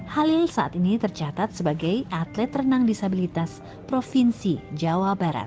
halil saat ini tercatat sebagai atlet renang disabilitas provinsi jawa barat